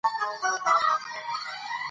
افغانستان د منی لپاره مشهور دی.